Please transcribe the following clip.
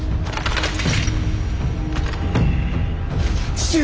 父上！